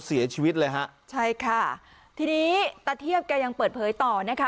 เสียชีวิตเลยฮะใช่ค่ะทีนี้ตะเทียบแกยังเปิดเผยต่อนะคะ